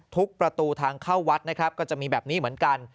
ประตูทางเข้าวัดนะครับก็จะมีแบบนี้เหมือนกัน